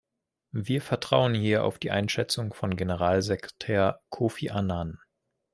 Wir vertrauen hier auf die Einschätzung von Generalsekretär Kofi Annan.